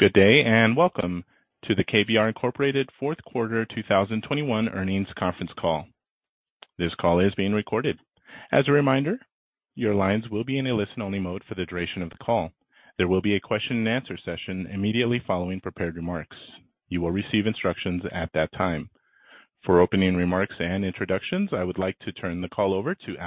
Good day, and welcome to the KBR, Inc. fourth quarter 2021 earnings conference call. This call is being recorded. As a reminder, your lines will be in a listen-only mode for the duration of the call. There will be a question and answer session immediately following prepared remarks. You will receive instructions at that time. For opening remarks and introductions, I would like to turn the call over to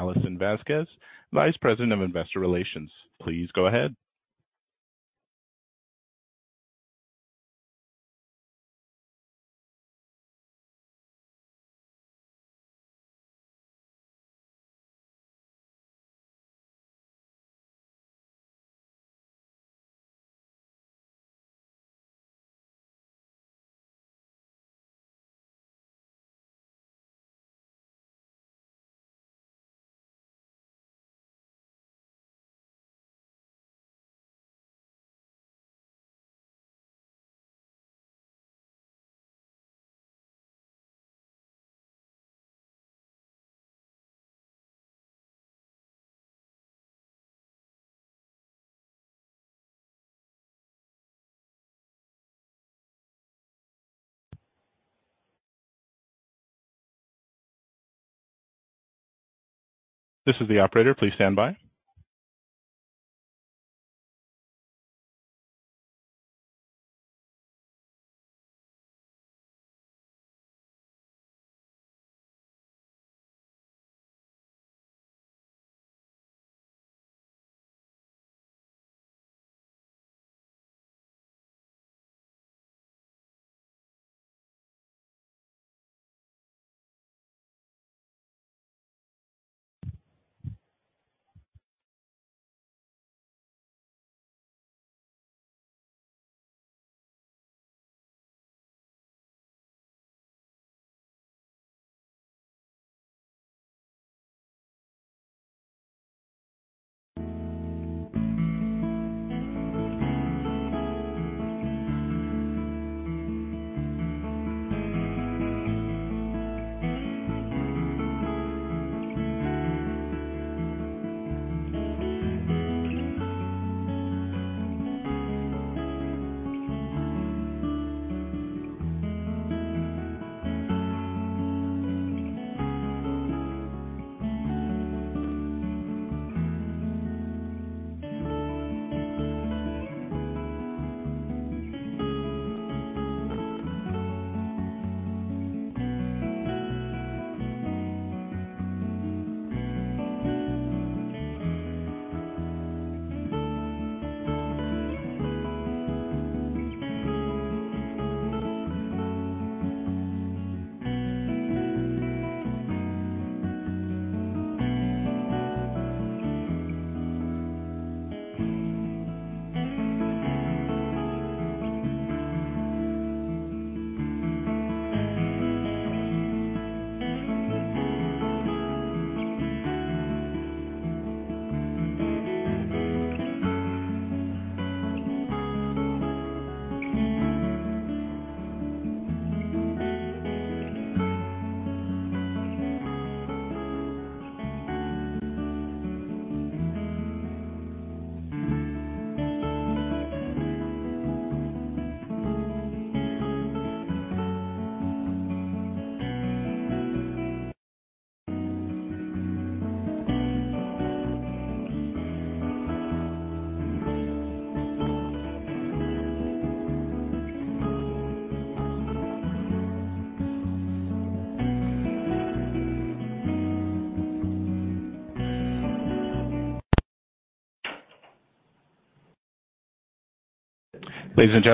Alison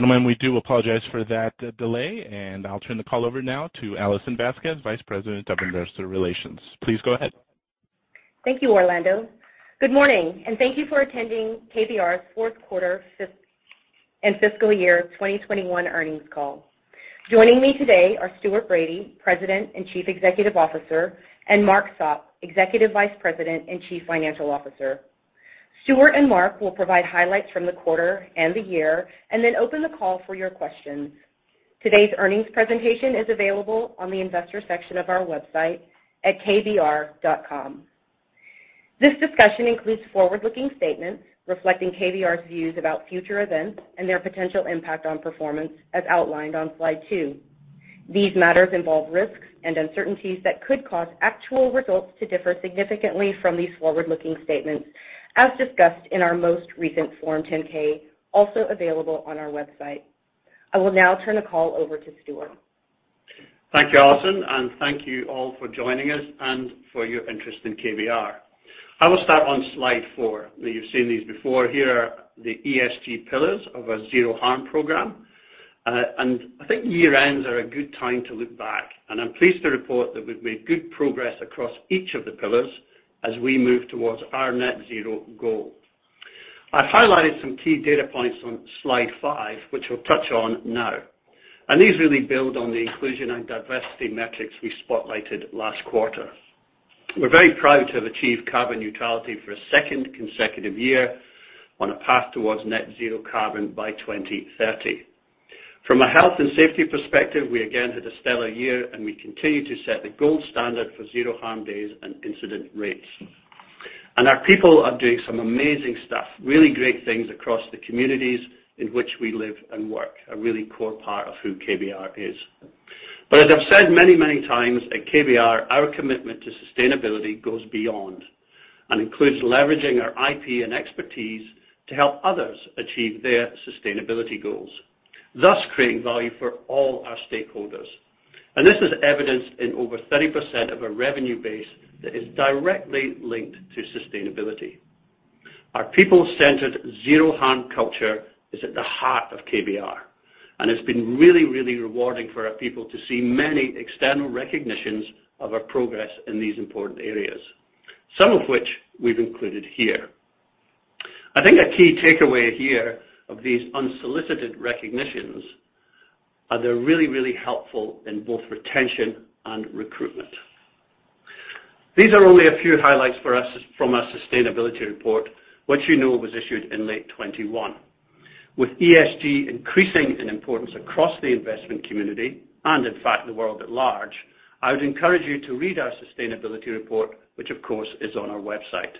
Vasquez, Vice President of Investor Relations. Please go ahead. Thank you, Orlando. Good morning, and thank you for attending KBR's fourth quarter and fiscal year 2021 earnings call. Joining me today are Stuart Bradie, President and Chief Executive Officer, and Mark Sopp, Executive Vice President and Chief Financial Officer. Stuart and Mark will provide highlights from the quarter and the year and then open the call for your questions. Today's earnings presentation is available on the investor section of our website at kbr.com. This discussion includes forward-looking statements reflecting KBR's views about future events and their potential impact on performance, as outlined on slide two These matters involve risks and uncertainties that could cause actual results to differ significantly from these forward-looking statements, as discussed in our most recent Form 10-K, also available on our website. I will now turn the call over to Stuart. Thank you, Alison, and thank you all for joining us and for your interest in KBR. I will start on slide four. Now you've seen these before. Here are the ESG pillars of our Zero Harm program. I think year-ends are a good time to look back, and I'm pleased to report that we've made good progress across each of the pillars as we move towards our net zero goal. I highlighted some key data points on slide five, which we'll touch on now. These really build on the inclusion and diversity metrics we spotlighted last quarter. We're very proud to have achieved carbon neutrality for a second consecutive year on a path towards net zero carbon by 2030. From a health and safety perspective, we again had a stellar year, and we continue to set the gold standard for Zero Harm days and incident rates. Our people are doing some amazing stuff, really great things across the communities in which we live and work, a really core part of who KBR is. As I've said many, many times, at KBR, our commitment to sustainability goes beyond and includes leveraging our IP and expertise to help others achieve their sustainability goals, thus creating value for all our stakeholders. This is evidenced in over 30% of our revenue base that is directly linked to sustainability. Our people-centered Zero Harm culture is at the heart of KBR, and it's been really, really rewarding for our people to see many external recognitions of our progress in these important areas, some of which we've included here. I think a key takeaway here of these unsolicited recognitions are they're really, really helpful in both retention and recruitment. These are only a few highlights for us from our sustainability report, which you know was issued in late 2021. With ESG increasing in importance across the investment community and in fact, the world at large, I would encourage you to read our sustainability report, which of course is on our website,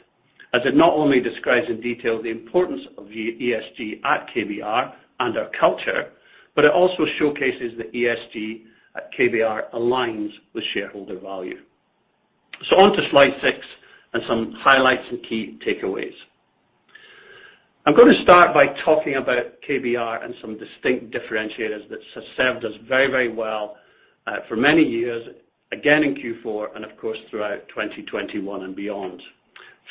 as it not only describes in detail the importance of ESG at KBR and our culture, but it also showcases that ESG at KBR aligns with shareholder value. On to slide six and some highlights and key takeaways. I'm gonna start by talking about KBR and some distinct differentiators that served us very, very well for many years, again in Q4 and of course, throughout 2021 and beyond.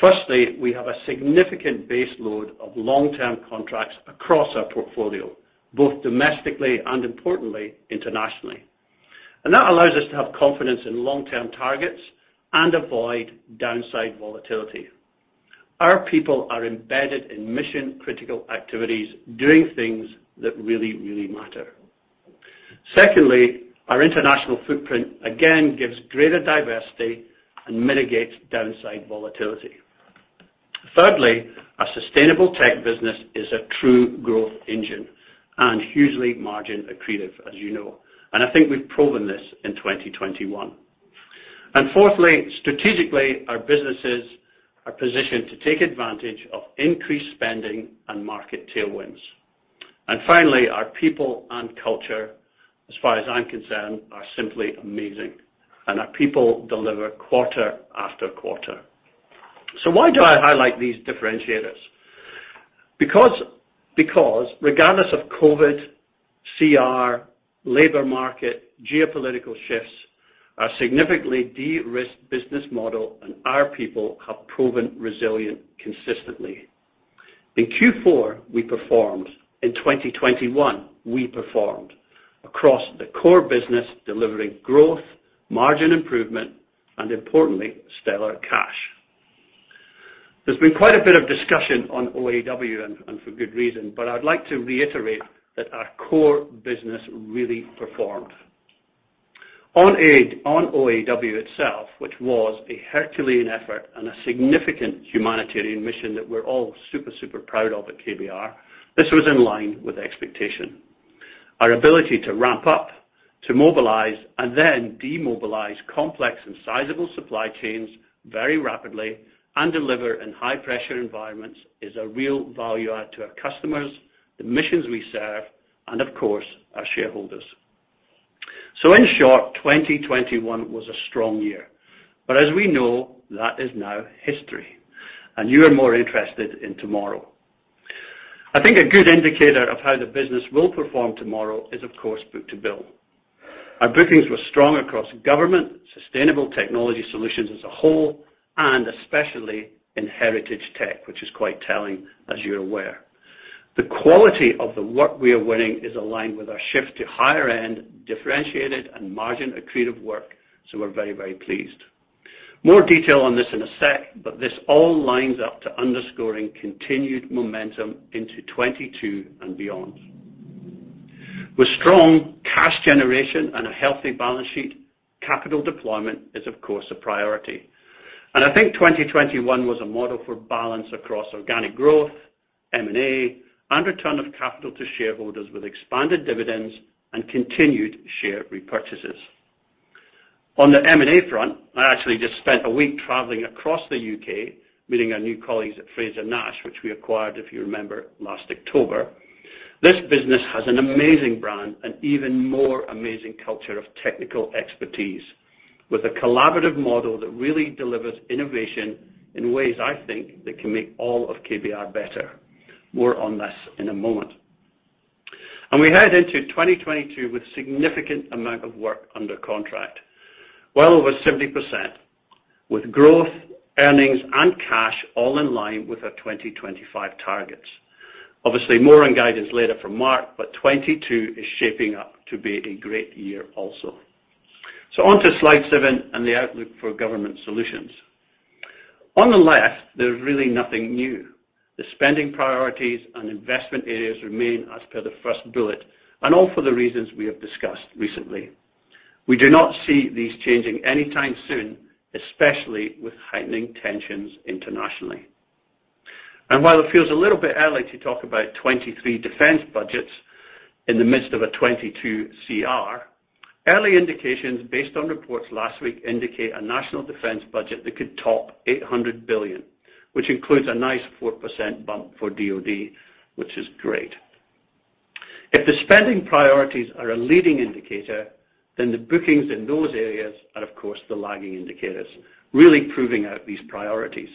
Firstly, we have a significant base load of long-term contracts across our portfolio, both domestically and importantly, internationally. That allows us to have confidence in long-term targets and avoid downside volatility. Our people are embedded in mission-critical activities, doing things that really, really matter. Secondly, our international footprint again gives greater diversity and mitigates downside volatility. Thirdly, our Sustainable Tech business is a true growth engine and hugely margin accretive, as you know. I think we've proven this in 2021. Fourthly, strategically, our businesses are positioned to take advantage of increased spending and market tailwinds. Finally, our people and culture, as far as I'm concerned, are simply amazing, and our people deliver quarter after quarter. Why do I highlight these differentiators? Because regardless of COVID, CR, labor market, geopolitical shifts, our significantly de-risked business model and our people have proven resilient consistently. In Q4, we performed. In 2021, we performed across the core business, delivering growth, margin improvement, and importantly, stellar cash. There's been quite a bit of discussion on OAW and for good reason, but I'd like to reiterate that our core business really performed. On OAW itself, which was a Herculean effort and a significant humanitarian mission that we're all super proud of at KBR, this was in line with expectation. Our ability to ramp up, to mobilize, and then demobilize complex and sizable supply chains very rapidly and deliver in high-pressure environments is a real value add to our customers, the missions we serve, and of course, our shareholders. In short, 2021 was a strong year. As we know, that is now history, and you are more interested in tomorrow. I think a good indicator of how the business will perform tomorrow is of course, book-to-bill. Our bookings were strong across Government Solutions, Sustainable Technology Solutions as a whole, and especially in heritage tech, which is quite telling, as you're aware. The quality of the work we are winning is aligned with our shift to higher-end, differentiated, and margin-accretive work, so we're very, very pleased. More detail on this in a sec, but this all lines up to underscoring continued momentum into 2022 and beyond. With strong cash generation and a healthy balance sheet, capital deployment is of course a priority. I think 2021 was a model for balance across organic growth, M&A, and return of capital to shareholders with expanded dividends and continued share repurchases. On the M&A front, I actually just spent a week traveling across the U.K., meeting our new colleagues at Frazer-Nash, which we acquired, if you remember, last October. This business has an amazing brand and even more amazing culture of technical expertise with a collaborative model that really delivers innovation in ways I think that can make all of KBR better. More on this in a moment. We head into 2022 with significant amount of work under contract, well over 70%, with growth, earnings, and cash all in line with our 2025 targets. Obviously, more on guidance later from Mark, but 2022 is shaping up to be a great year also. On to slide seven and the outlook for Government Solutions. On the left, there's really nothing new. The spending priorities and investment areas remain as per the first bullet, and all for the reasons we have discussed recently. We do not see these changing anytime soon, especially with heightening tensions internationally. While it feels a little bit early to talk about 2023 defense budgets in the midst of a 2022 CR, early indications based on reports last week indicate a national defense budget that could top $800 billion, which includes a nice 4% bump for DoD, which is great. If the spending priorities are a leading indicator, then the bookings in those areas are of course the lagging indicators, really proving out these priorities.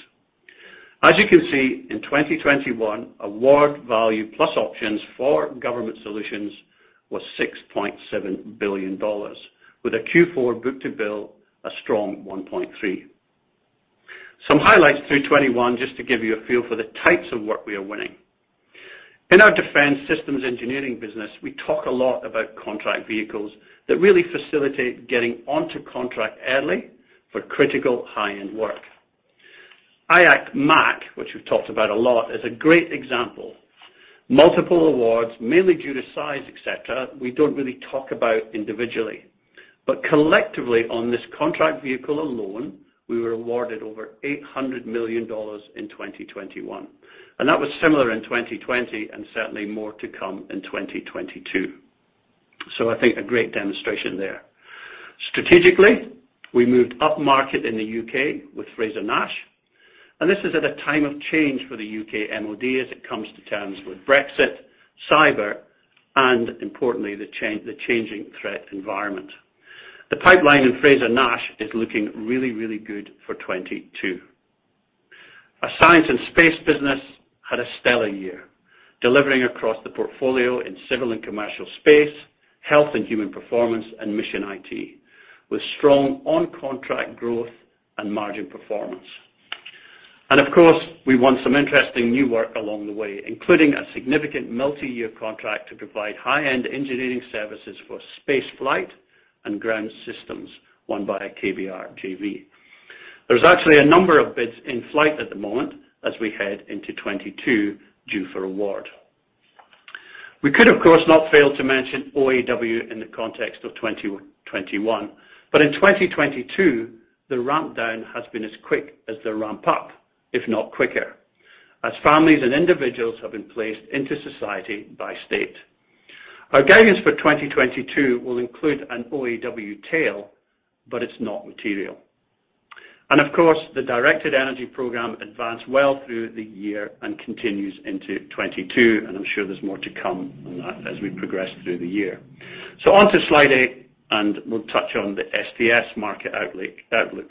As you can see, in 2021, award value plus options for Government Solutions was $6.7 billion, with a Q4 book-to-bill of 1.3. Some highlights through 2021 just to give you a feel for the types of work we are winning. In our defense systems engineering business, we talk a lot about contract vehicles that really facilitate getting onto contract early for critical high-end work. IAC MAC, which we've talked about a lot, is a great example. Multiple awards, mainly due to size, et cetera, we don't really talk about individually. Collectively, on this contract vehicle alone, we were awarded over $800 million in 2021. That was similar in 2020 and certainly more to come in 2022. I think a great demonstration there. Strategically, we moved upmarket in the U.K. with Frazer-Nash, and this is at a time of change for the U.K. MOD as it comes to terms with Brexit, cyber, and importantly, the changing threat environment. The pipeline in Frazer-Nash is looking really, really good for 2022. Our science and space business had a stellar year, delivering across the portfolio in civil and commercial space, health and human performance, and mission IT, with strong on-contract growth and margin performance. Of course, we won some interesting new work along the way, including a significant multi-year contract to provide high-end engineering services for space flight and ground systems won by KBR JV. There's actually a number of bids in flight at the moment as we head into 2022 due for award. We could, of course, not fail to mention OAW in the context of 2021, but in 2022, the ramp down has been as quick as the ramp up, if not quicker, as families and individuals have been placed into society by state. Our guidance for 2022 will include an OAW tail, but it's not material. Of course, the directed energy program advanced well through the year and continues into 2022, and I'm sure there's more to come on that as we progress through the year. On to slide eight, and we'll touch on the STS market outlook.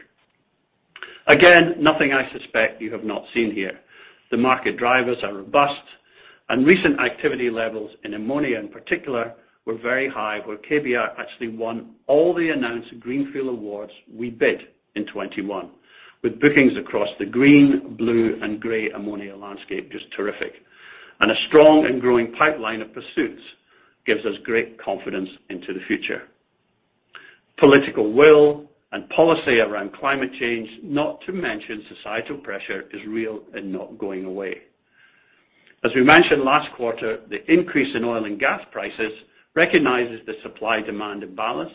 Again, nothing I suspect you have not seen here. The market drivers are robust, and recent activity levels in ammonia in particular were very high, where KBR actually won all the announced greenfield awards we bid in 2021, with bookings across the green, blue and gray ammonia landscape just terrific. A strong and growing pipeline of pursuits gives us great confidence into the future. Political will and policy around climate change, not to mention societal pressure, is real and not going away. As we mentioned last quarter, the increase in oil and gas prices recognizes the supply-demand imbalance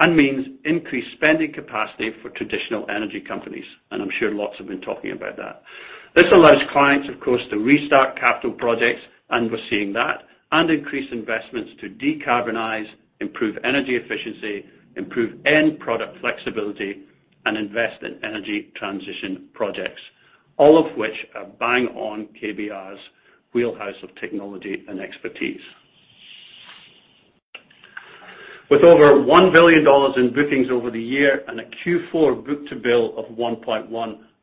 and means increased spending capacity for traditional energy companies. I'm sure lots have been talking about that. This allows clients, of course, to restart capital projects, and we're seeing that, and increase investments to decarbonize, improve energy efficiency, improve end product flexibility, and invest in energy transition projects, all of which are bang on KBR's wheelhouse of technology and expertise. With over $1 billion in bookings over the year and a Q4 book-to-bill of 1.1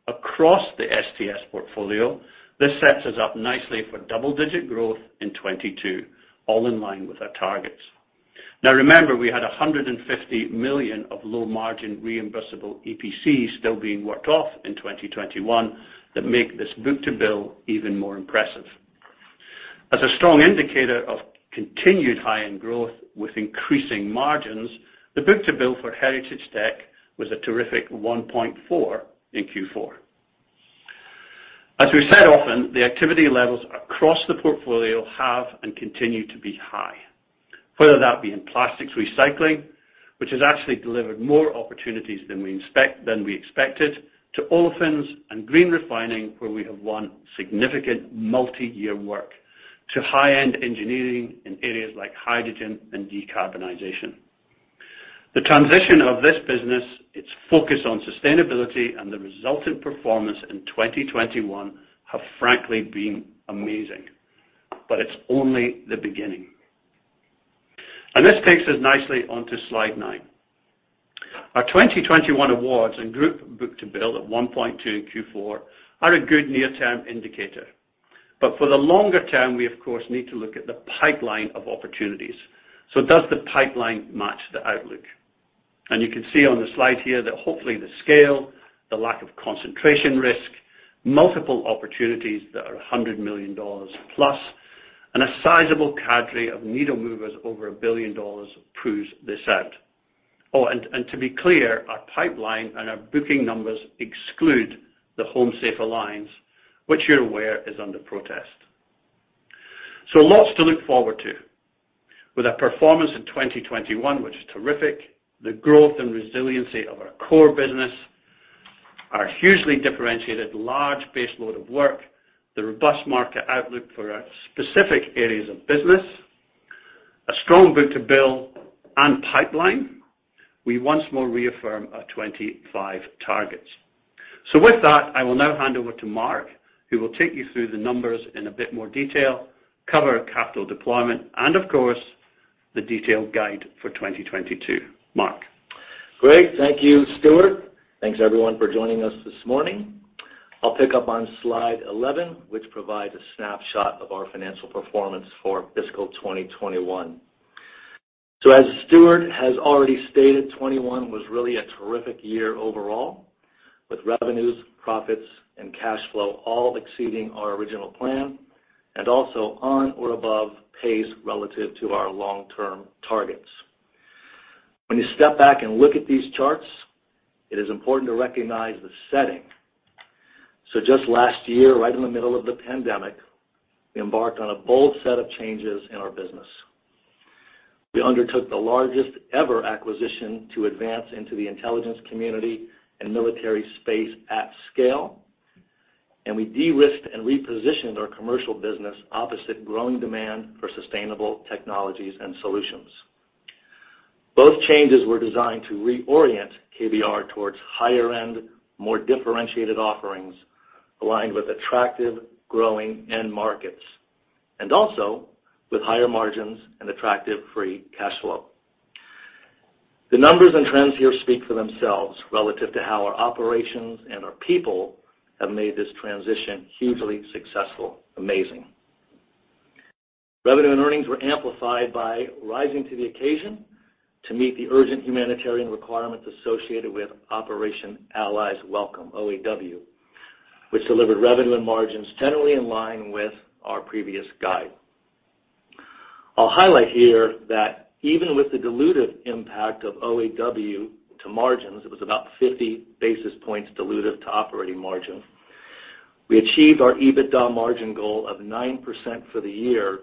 across the STS portfolio, this sets us up nicely for double-digit growth in 2022, all in line with our targets. Now remember, we had $150 million of low-margin reimbursable EPCs still being worked off in 2021 that make this book-to-bill even more impressive. As a strong indicator of continued high-end growth with increasing margins, the book to bill for Heritage Tech was a terrific 1.4 in Q4. As we've said often, the activity levels across the portfolio have and continue to be high, whether that be in plastics recycling, which has actually delivered more opportunities than we expected, to olefins and green refining, where we have won significant multi-year work, to high-end engineering in areas like hydrogen and decarbonization. The transition of this business, its focus on sustainability and the resultant performance in 2021 have frankly been amazing, but it's only the beginning. This takes us nicely onto slide nine. Our 2021 awards and group book to bill of 1.2 in Q4 are a good near-term indicator. For the longer term, we of course need to look at the pipeline of opportunities. Does the pipeline match the outlook? You can see on the slide here that hopefully the scale, the lack of concentration risk, multiple opportunities that are $100 million plus, and a sizable cadre of needle movers over $1 billion proves this out. Oh, and to be clear, our pipeline and our booking numbers exclude the HomeSafe Alliance, which you're aware is under protest. Lots to look forward to. With our performance in 2021, which is terrific, the growth and resiliency of our core business, our hugely differentiated large base load of work, the robust market outlook for our specific areas of business, a strong book-to-bill and pipeline, we once more reaffirm our 2025 targets. With that, I will now hand over to Mark Sopp, who will take you through the numbers in a bit more detail, cover capital deployment, and of course, the detailed guide for 2022. Mark Sopp. Great. Thank you, Stuart. Thanks everyone for joining us this morning. I'll pick up on slide 11, which provides a snapshot of our financial performance for fiscal 2021. As Stuart has already stated, 2021 was really a terrific year overall, with revenues, profits and cash flow all exceeding our original plan, and also on or above pace relative to our long-term targets. When you step back and look at these charts, it is important to recognize the setting. Just last year, right in the middle of the pandemic, we embarked on a bold set of changes in our business. We undertook the largest ever acquisition to advance into the intelligence community and military space at scale, and we de-risked and repositioned our commercial business opposite growing demand for sustainable technologies and solutions. Both changes were designed to reorient KBR towards higher end, more differentiated offerings, aligned with attractive growing end markets, and also with higher margins and attractive free cash flow. The numbers and trends here speak for themselves relative to how our operations and our people have made this transition hugely successful. Amazing. Revenue and earnings were amplified by rising to the occasion to meet the urgent humanitarian requirements associated with Operation Allies Welcome, OAW, which delivered revenue and margins generally in line with our previous guide. I'll highlight here that even with the dilutive impact of OAW to margins, it was about 50 basis points dilutive to operating margin. We achieved our EBITDA margin goal of 9% for the year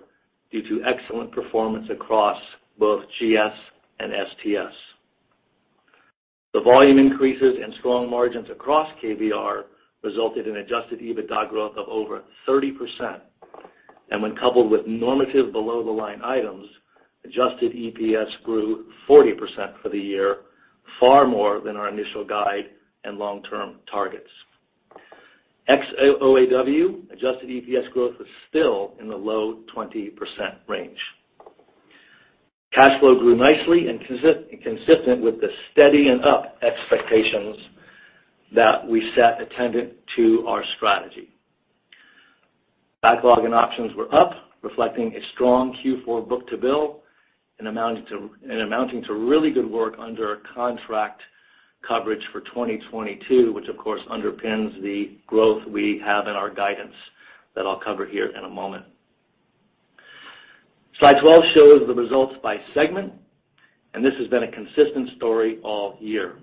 due to excellent performance across both GS and STS. The volume increases and strong margins across KBR resulted in adjusted EBITDA growth of over 30%. When coupled with normative below-the-line items, adjusted EPS grew 40% for the year, far more than our initial guide and long-term targets. Ex-OAW, adjusted EPS growth was still in the low 20% range. Cash flow grew nicely and consistent with the steady and up expectations that we set attendant to our strategy. Backlog and options were up, reflecting a strong Q4 book-to-bill and amounting to really good work under our contract coverage for 2022, which of course underpins the growth we have in our guidance that I'll cover here in a moment. Slide 12 shows the results by segment, and this has been a consistent story all year.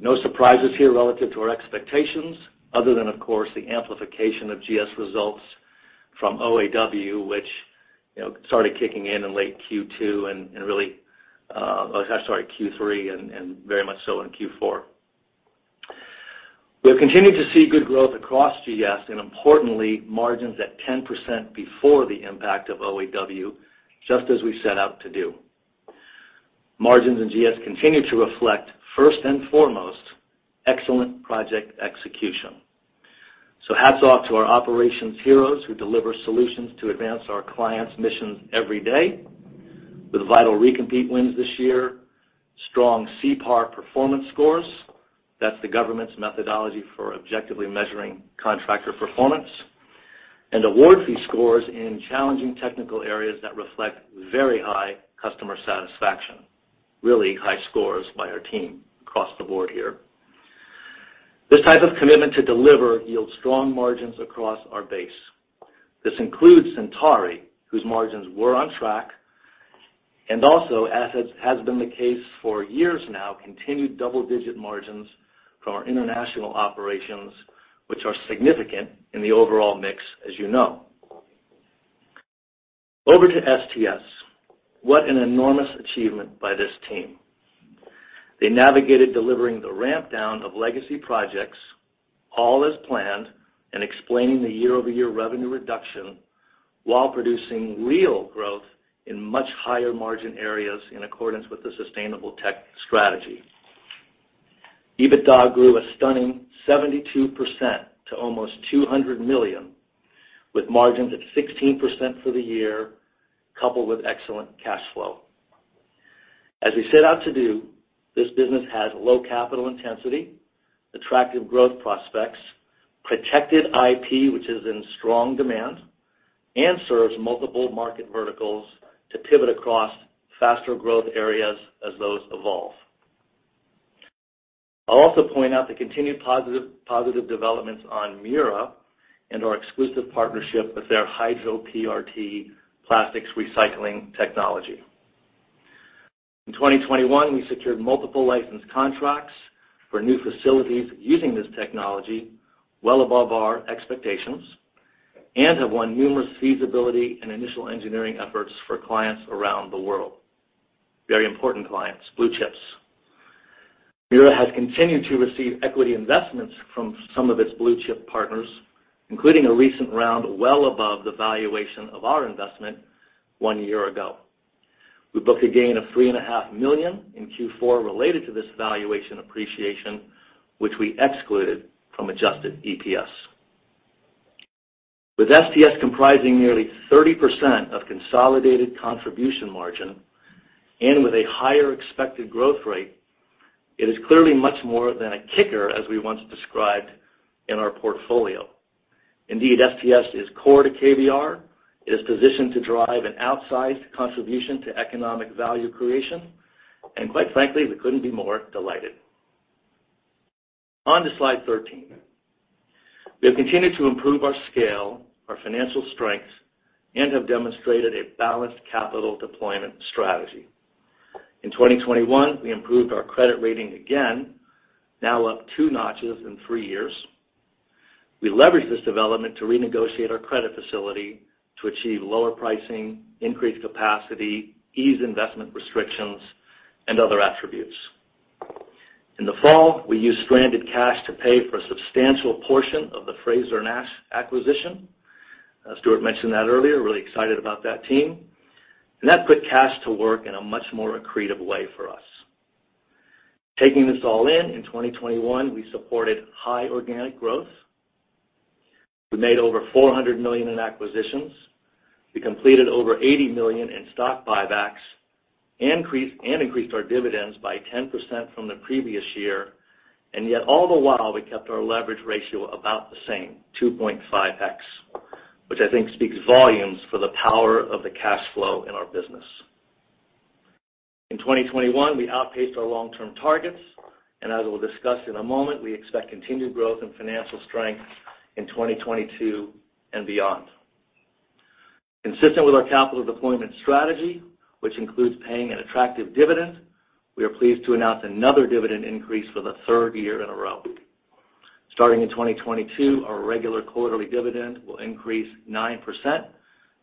No surprises here relative to our expectations, other than of course the amplification of GS results from OAW, which, you know, started kicking in in late Q2 and really in Q3 and very much so in Q4. We have continued to see good growth across GS and importantly, margins at 10% before the impact of OAW, just as we set out to do. Margins in GS continue to reflect first and foremost, excellent project execution. Hats off to our operations heroes who deliver solutions to advance our clients' missions every day, with vital recompete wins this year, strong CPAR performance scores. That's the government's methodology for objectively measuring contractor performance, and award fee scores in challenging technical areas that reflect very high customer satisfaction, really high scores by our team across the board here. This type of commitment to deliver yields strong margins across our base. This includes Centauri, whose margins were on track, and also as has been the case for years now, continued double-digit margins from our international operations, which are significant in the overall mix, as you know. Over to STS. What an enormous achievement by this team. They navigated delivering the ramp down of legacy projects, all as planned, and explaining the year-over-year revenue reduction while producing real growth in much higher margin areas in accordance with the sustainable tech strategy. EBITDA grew a stunning 72% to almost $200 million, with margins at 16% for the year, coupled with excellent cash flow. As we set out to do, this business has low capital intensity, attractive growth prospects, protected IP, which is in strong demand, and serves multiple market verticals to pivot across faster growth areas as those evolve. I'll also point out the continued positive developments on Mura and our exclusive partnership with their Hydro-PRT plastics recycling technology. In 2021, we secured multiple license contracts for new facilities using this technology well above our expectations and have won numerous feasibility and initial engineering efforts for clients around the world. Very important clients, blue chips. Mura has continued to receive equity investments from some of its blue-chip partners, including a recent round well above the valuation of our investment one year ago. We booked a gain of $3.5 million in Q4 related to this valuation appreciation, which we excluded from adjusted EPS. With STS comprising nearly 30% of consolidated contribution margin and with a higher expected growth rate, it is clearly much more than a kicker, as we once described in our portfolio. Indeed, STS is core to KBR. It is positioned to drive an outsized contribution to economic value creation. Quite frankly, we couldn't be more delighted. On to slide 13. We have continued to improve our scale, our financial strength, and have demonstrated a balanced capital deployment strategy. In 2021, we improved our credit rating again, now up two notches in three years. We leveraged this development to renegotiate our credit facility to achieve lower pricing, increased capacity, ease investment restrictions, and other attributes. In the fall, we used stranded cash to pay for a substantial portion of the Frazer-Nash acquisition. As Stuart mentioned that earlier, really excited about that team. That put cash to work in a much more accretive way for us. Taking this all in 2021, we supported high organic growth. We made over $400 million in acquisitions. We completed over $80 million in stock buybacks, increased our dividends by 10% from the previous year. Yet all the while, we kept our leverage ratio about the same, 2.5x, which I think speaks volumes for the power of the cash flow in our business. In 2021, we outpaced our long-term targets, and as we'll discuss in a moment, we expect continued growth and financial strength in 2022 and beyond. Consistent with our capital deployment strategy, which includes paying an attractive dividend, we are pleased to announce another dividend increase for the third year in a row. Starting in 2022, our regular quarterly dividend will increase 9%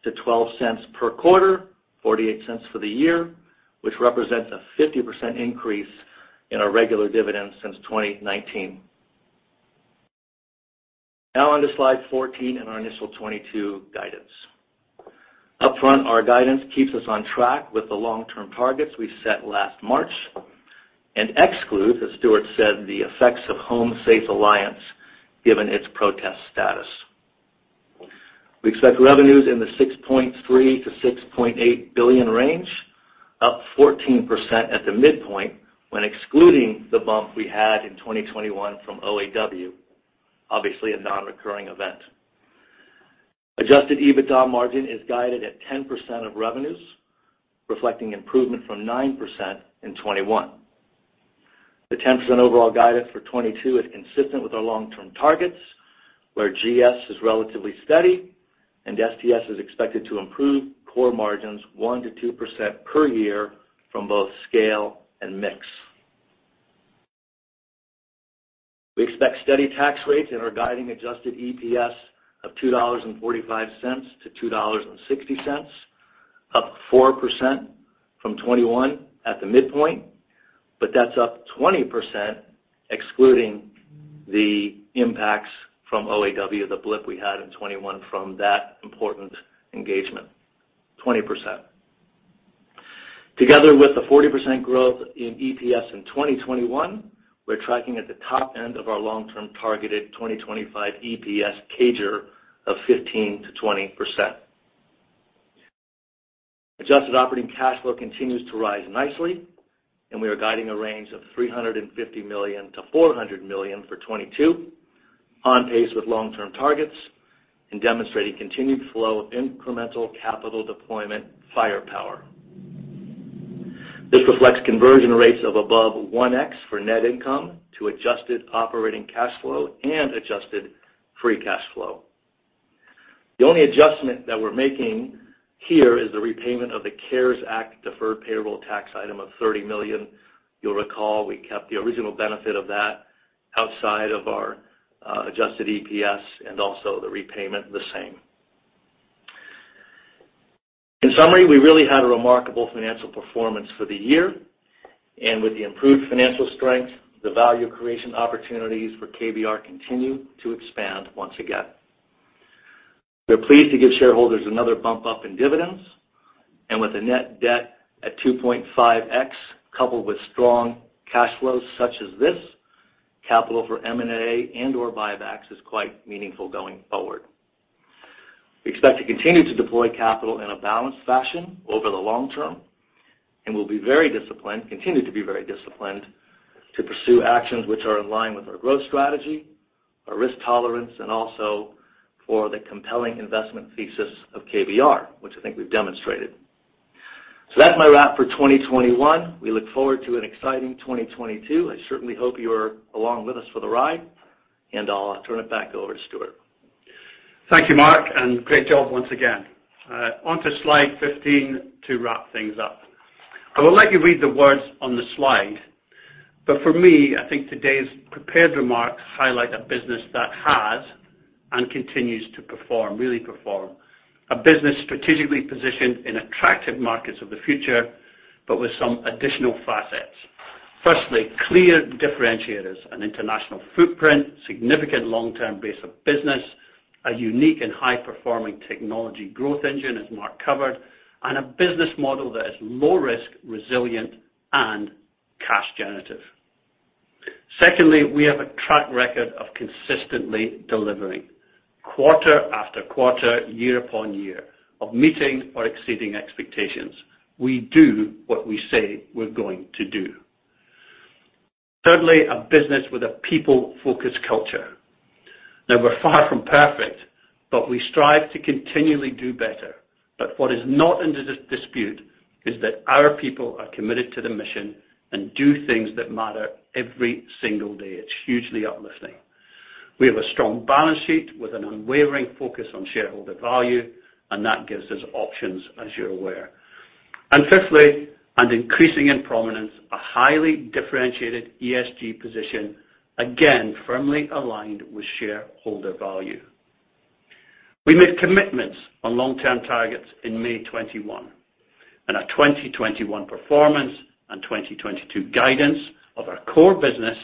to $0.12 per quarter, $0.48 for the year, which represents a 50% increase in our regular dividend since 2019. Now on to slide 14 and our initial 2022 guidance. Upfront, our guidance keeps us on track with the long-term targets we set last March and excludes, as Stuart said, the effects of HomeSafe Alliance, given its protest status. We expect revenues in the $6.3 billion-$6.8 billion range, up 14% at the midpoint when excluding the bump we had in 2021 from OAW, obviously a non-recurring event. Adjusted EBITDA margin is guided at 10% of revenues, reflecting improvement from 9% in 2021. The 10% overall guidance for 2022 is consistent with our long-term targets, where GS is relatively steady and STS is expected to improve core margins 1%-2% per year from both scale and mix. We expect steady tax rates and are guiding adjusted EPS of $2.45-$2.60, up 4% from 2021 at the midpoint, but that's up 20% excluding the impacts from OAW, the blip we had in 2021 from that important engagement, 20%. Together with the 40% growth in EPS in 2021, we're tracking at the top end of our long-term targeted 2025 EPS CAGR of 15%-20%. Adjusted operating cash flow continues to rise nicely, and we are guiding a range of $350 million-$400 million for 2022 on pace with long-term targets and demonstrating continued flow of incremental capital deployment firepower. This reflects conversion rates of above 1x for net income to adjusted operating cash flow and adjusted free cash flow. The only adjustment that we're making here is the repayment of the CARES Act deferred payable tax item of $30 million. You'll recall we kept the original benefit of that outside of our adjusted EPS and also the repayment the same. In summary, we really had a remarkable financial performance for the year, and with the improved financial strength, the value creation opportunities for KBR continue to expand once again. We're pleased to give shareholders another bump up in dividends, and with a net debt at 2.5x coupled with strong cash flows such as this, capital for M&A and/or buybacks is quite meaningful going forward. We expect to continue to deploy capital in a balanced fashion over the long term and will be very disciplined, continue to be very disciplined to pursue actions which are in line with our growth strategy, our risk tolerance, and also for the compelling investment thesis of KBR, which I think we've demonstrated. That's my wrap for 2021. We look forward to an exciting 2022. I certainly hope you're along with us for the ride, and I'll turn it back over to Stuart. Thank you, Mark, and great job once again. On to slide 15 to wrap things up. I will let you read the words on the slide, but for me, I think today's prepared remarks highlight a business that has and continues to perform, really perform. A business strategically positioned in attractive markets of the future, but with some additional facets. Firstly, clear differentiators, an international footprint, significant long-term base of business, a unique and high-performing technology growth engine, as Mark covered, and a business model that is low risk, resilient, and cash generative. Secondly, we have a track record of consistently delivering quarter after quarter, year upon year of meeting or exceeding expectations. We do what we say we're going to do. Thirdly, a business with a people-focused culture. Now we're far from perfect, but we strive to continually do better. What is not in dispute is that our people are committed to the mission and do things that matter every single day. It's hugely uplifting. We have a strong balance sheet with an unwavering focus on shareholder value, and that gives us options, as you're aware. Fifthly, and increasing in prominence, a highly differentiated ESG position, again, firmly aligned with shareholder value. We made commitments on long-term targets in May 2021, and our 2021 performance and 2022 guidance of our core business,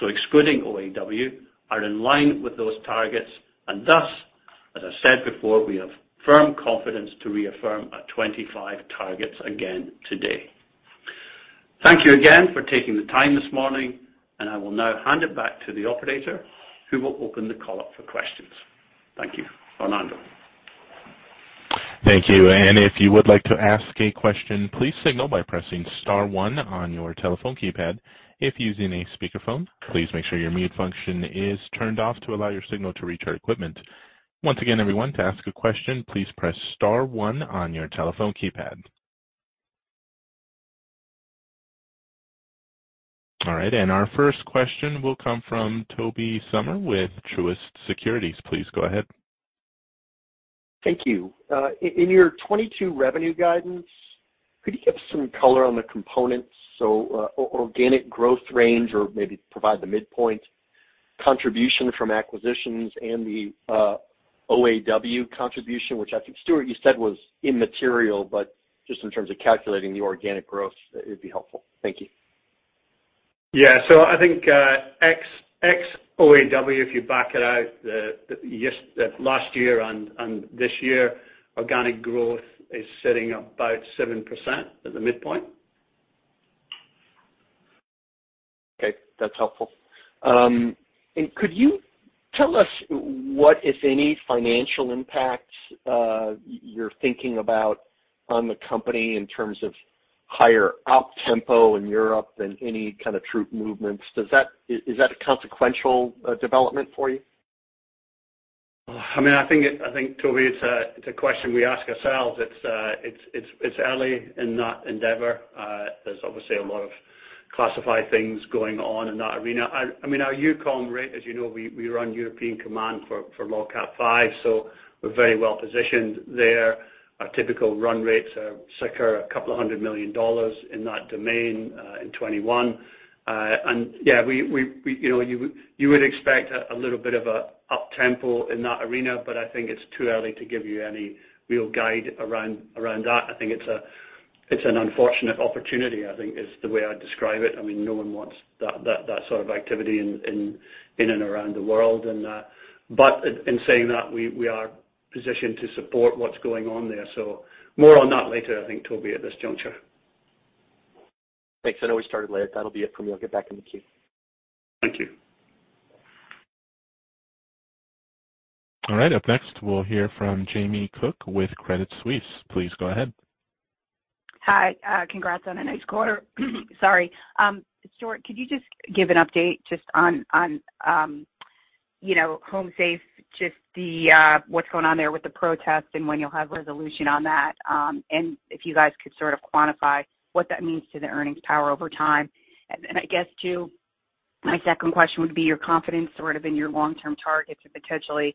so excluding OAW, are in line with those targets. Thus, as I said before, we have firm confidence to reaffirm our 2025 targets again today. Thank you again for taking the time this morning, and I will now hand it back to the operator, who will open the call up for questions. Thank you. Fernando. Thank you. If you would like to ask a question, please signal by pressing star one on your telephone keypad. If using a speakerphone, please make sure your mute function is turned off to allow your signal to reach our equipment. Once again, everyone, to ask a question, please press star one on your telephone keypad. All right, and our first question will come from Tobey Sommer with Truist Securities. Please go ahead. Thank you. In your 2022 revenue guidance, could you give some color on the components, so organic growth range or maybe provide the midpoint contribution from acquisitions and the OAW contribution, which I think, Stuart, you said was immaterial, but just in terms of calculating the organic growth, it'd be helpful. Thank you. I think ex-OAW, if you back it out, the last year and this year, organic growth is sitting about 7% at the midpoint. Okay, that's helpful. Could you tell us what, if any, financial impacts you're thinking about on the company in terms of higher op tempo in Europe and any kind of troop movements? Is that a consequential development for you? I think, Toby, it's a question we ask ourselves. It's early in that endeavor. There's obviously a lot of classified things going on in that arena. I mean, our EUCOM rate, as you know, we run European Command for LOGCAP V, so we're very well positioned there. Our typical run rates are circa $200 million in that domain in 2021. Yeah, you know, you would expect a little bit of an up tempo in that arena, but I think it's too early to give you any real guide around that. I think it's an unfortunate opportunity, I think is the way I'd describe it. I mean, no one wants that sort of activity in and around the world. In saying that, we are positioned to support what's going on there. More on that later, I think, Toby, at this juncture. Thanks. I know we started late. That'll be it from me. I'll get back in the queue. Thank you. All right. Up next, we'll hear from Jamie Cook with Credit Suisse. Please go ahead. Hi. Congrats on a nice quarter. Sorry. Stuart, could you just give an update just on you know, Home Safe, just what's going on there with the protest and when you'll have resolution on that? And if you guys could sort of quantify what that means to the earnings power over time. Then I guess too, my second question would be your confidence sort of in your long-term targets and potentially,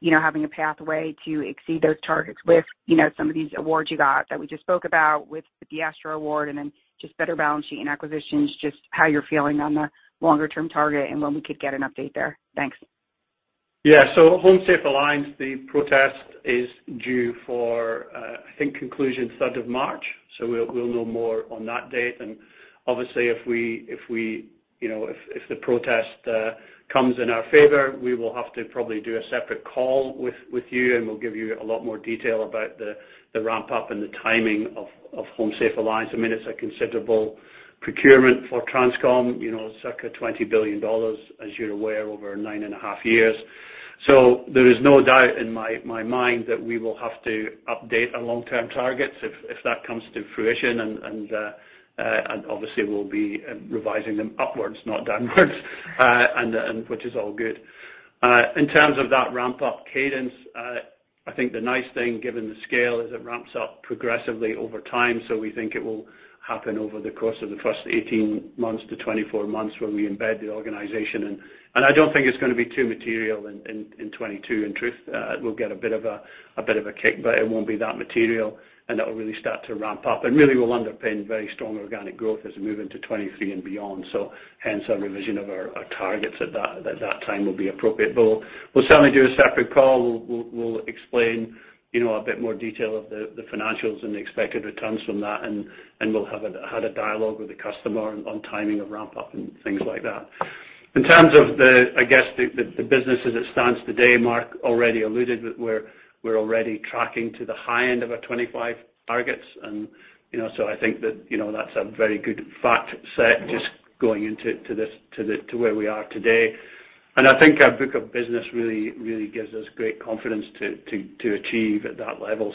you know, having a pathway to exceed those targets with, you know, some of these awards you got that we just spoke about with the ASTRO award and then just better balance sheet and acquisitions, just how you're feeling on the longer term target and when we could get an update there. Thanks. Yeah. HomeSafe Alliance, the protest is due for conclusion third of March, so we'll know more on that date. Obviously, if we you know if the protest comes in our favor, we will have to probably do a separate call with you, and we'll give you a lot more detail about the ramp up and the timing of HomeSafe Alliance. I mean, it's a considerable procurement for USTRANSCOM, you know, circa $20 billion, as you're aware, over 9.5 years. There is no doubt in my mind that we will have to update our long-term targets if that comes to fruition and obviously we'll be revising them upwards, not downwards, and which is all good. In terms of that ramp up cadence, I think the nice thing, given the scale, is it ramps up progressively over time. We think it will happen over the course of the first 18 months to 24 months when we embed the organization. I don't think it's gonna be too material in 2022, in truth. We'll get a bit of a kick, but it won't be that material, and that will really start to ramp up. Really will underpin very strong organic growth as we move into 2023 and beyond. Hence our revision of our targets at that time will be appropriate. We'll explain, you know, a bit more detail of the financials and the expected returns from that. We'll have had a dialogue with the customer on timing of ramp up and things like that. In terms of the, I guess, the business as it stands today, Mark already alluded that we're already tracking to the high end of our 25 targets. You know, I think that, you know, that's a very good fact set just going into this, to the where we are today. I think our book of business really gives us great confidence to achieve at that level.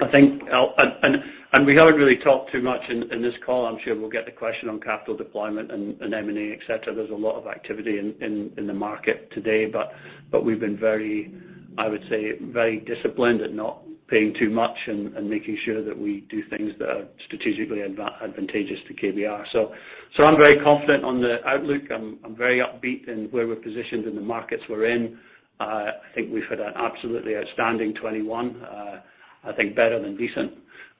I think and we haven't really talked too much in this call, I'm sure we'll get the question on capital deployment and M&A, et cetera. There's a lot of activity in the market today, but we've been very, I would say, very disciplined at not paying too much and making sure that we do things that are strategically advantageous to KBR. I'm very confident on the outlook. I'm very upbeat in where we're positioned in the markets we're in. I think we've had an absolutely outstanding 2021. I think better than decent.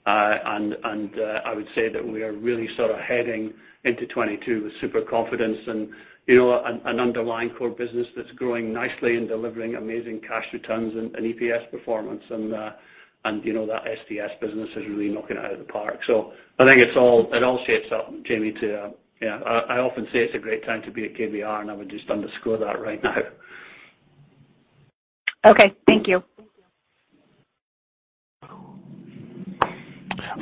I would say that we are really sort of heading into 2022 with super confidence and, you know, an underlying core business that's growing nicely and delivering amazing cash returns and EPS performance. You know, that STS business is really knocking it out of the park. I think it all shapes up, Jamie. I often say it's a great time to be at KBR, and I would just underscore that right now. Okay. Thank you.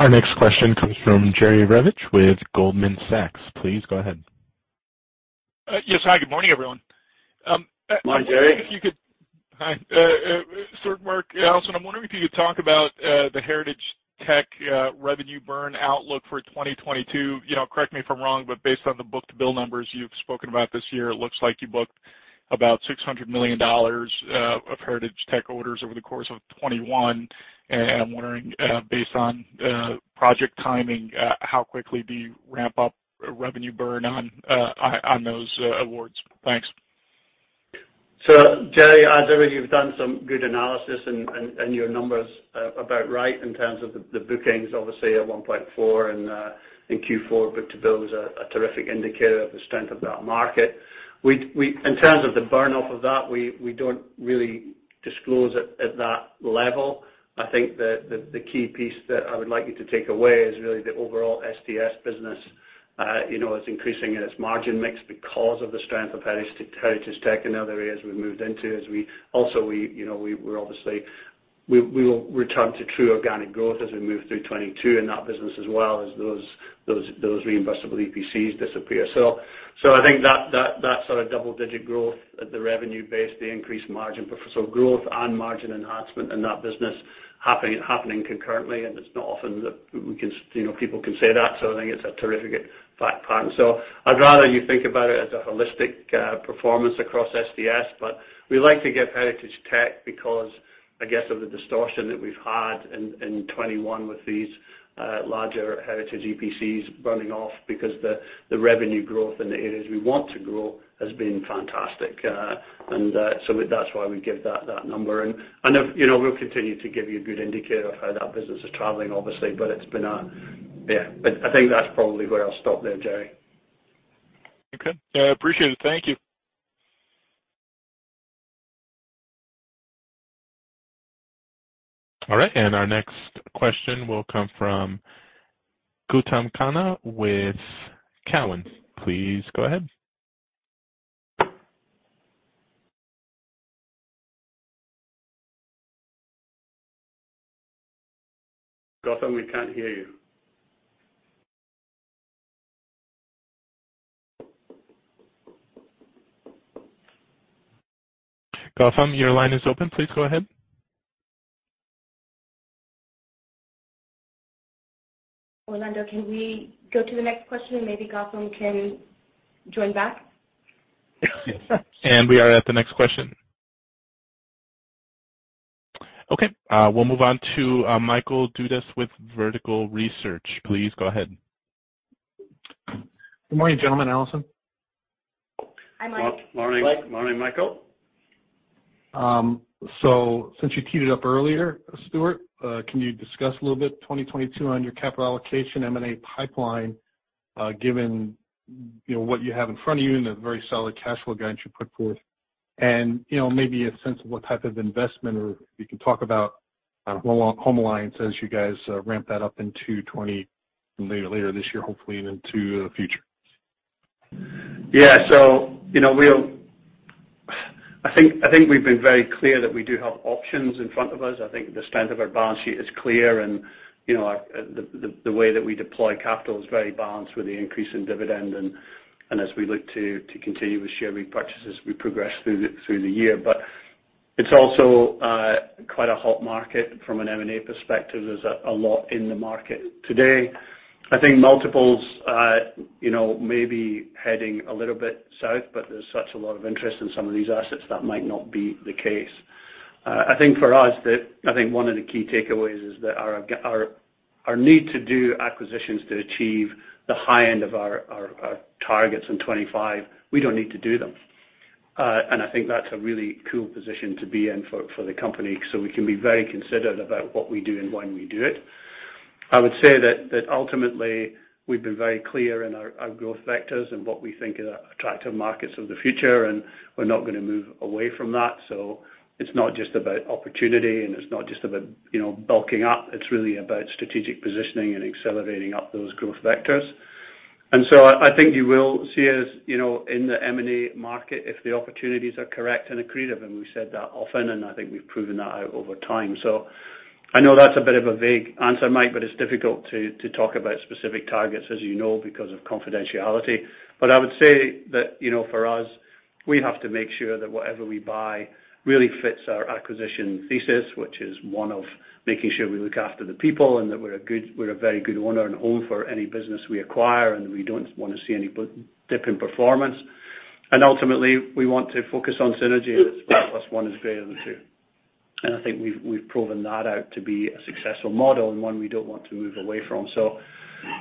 Our next question comes from Jerry Revich with Goldman Sachs. Please go ahead. Yes. Hi, good morning, everyone. Good morning, Jerry. Hi, Stuart, Mark, Alison. I'm wondering if you could talk about the Government Solutions revenue burn outlook for 2022. You know, correct me if I'm wrong, but based on the book-to-bill numbers you've spoken about this year, it looks like you booked about $600 million of Government Solutions orders over the course of 2021. I'm wondering, based on project timing, how quickly do you ramp up revenue burn on those awards? Thanks. Jerry, you've done some good analysis and your numbers are about right in terms of the bookings, obviously at 1.4 in Q4 to build a terrific indicator of the strength of that market. In terms of the burn off of that, we don't really disclose it at that level. I think that the key piece that I would like you to take away is really the overall STS business, you know, is increasing in its margin mix because of the strength of heritage Government Solutions and other areas we've moved into as we also, you know, we're obviously we will return to true organic growth as we move through 2022 in that business as well as those reimbursable EPCs disappear. I think that sort of double-digit growth at the revenue base, the increased margin profile, so growth and margin enhancement in that business happening concurrently. It's not often that we can, you know, people can say that, so I think it's a terrific fact pattern. I'd rather you think about it as a holistic performance across STS, but we like to give Government Solutions because, I guess, of the distortion that we've had in 2021 with these larger Heritage EPCs burning off because the revenue growth in the areas we want to grow has been fantastic. So that's why we give that number. If, you know, we'll continue to give you a good indicator of how that business is traveling, obviously, but it's been a. I think that's probably where I'll stop there, Jerry. Okay. Yeah, I appreciate it. Thank you. All right, our next question will come from Gautam Khanna with Cowen. Please go ahead. Gautam, we can't hear you. Gautam, your line is open. Please go ahead. Orlando, can we go to the next question and maybe Gautam can join back? We are at the next question. Okay, we'll move on to Michael Dudas with Vertical Research Partners. Please go ahead. Good morning, gentlemen, Alison. Hi, Mike. Morning. Morning, Michael. Since you teed it up earlier, Stuart, can you discuss a little bit 2022 on your capital allocation M&A pipeline, given, you know, what you have in front of you and the very solid cash flow guidance you put forth? You know, maybe a sense of what type of investments you can talk about HomeSafe Alliance as you guys ramp that up into 2023 later this year, hopefully into the future. Yeah, you know, I think we've been very clear that we do have options in front of us. I think the strength of our balance sheet is clear, and, you know, the way that we deploy capital is very balanced with the increase in dividend and as we look to continue with share repurchases, we progress through the year. It's also quite a hot market from an M&A perspective. There's a lot in the market today. I think multiples, you know, maybe heading a little bit south, but there's such a lot of interest in some of these assets that might not be the case. I think for us that I think one of the key takeaways is that our need to do acquisitions to achieve the high end of our targets in 25, we don't need to do them. I think that's a really cool position to be in for the company, so we can be very considered about what we do and when we do it. I would say that ultimately we've been very clear in our growth vectors and what we think are attractive markets of the future, and we're not gonna move away from that. It's not just about opportunity, and it's not just about, you know, bulking up. It's really about strategic positioning and accelerating up those growth vectors. I think you will see us, you know, in the M&A market if the opportunities are correct and accretive, and we've said that often, and I think we've proven that out over time. I know that's a bit of a vague answer, Mike, but it's difficult to talk about specific targets, as you know, because of confidentiality. I would say that, you know, for us, we have to make sure that whatever we buy really fits our acquisition thesis, which is one of making sure we look after the people and that we're a very good owner and home for any business we acquire, and we don't wanna see any dip in performance. Ultimately, we want to focus on synergy that's plus one is greater than two. I think we've proven that out to be a successful model and one we don't want to move away from.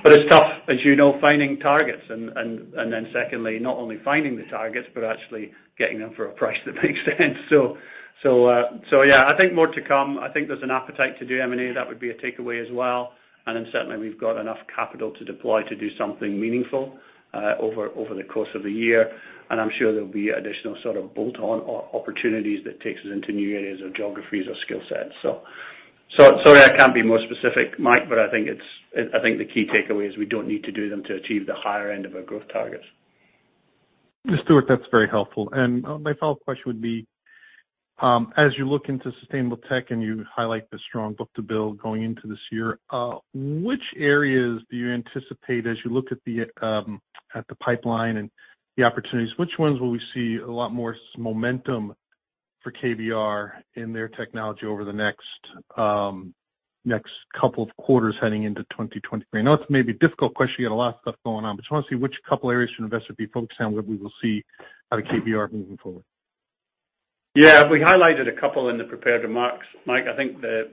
It's tough, as you know, finding targets and then secondly, not only finding the targets, but actually getting them for a price that makes sense. Yeah, I think more to come. I think there's an appetite to do M&A. That would be a takeaway as well. Certainly we've got enough capital to deploy to do something meaningful over the course of the year. I'm sure there'll be additional sort of bolt-on opportunities that takes us into new areas or geographies or skill sets. Sorry, I can't be more specific, Mike, but I think it's... I think the key takeaway is we don't need to do them to achieve the higher end of our growth targets. Stuart, that's very helpful. My final question would be, as you look into sustainable tech and you highlight the strong book-to-bill going into this year, which areas do you anticipate as you look at the pipeline and the opportunities, which ones will we see a lot more momentum for KBR and their technology over the next couple of quarters heading into 2023? I know it 's maybe a difficult question. You got a lot of stuff going on, but just wanna see which couple areas should investors be focused on where we will see out of KBR moving forward. Yeah, we highlighted a couple in the prepared remarks, Mike. I think the